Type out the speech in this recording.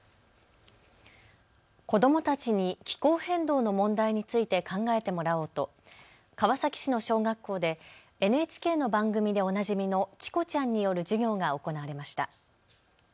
子どもたちに気候変動の問題について考えてもらおうと川崎市の小学校でＮＨＫの番組でおなじみのチコちゃんによる授業が行われました。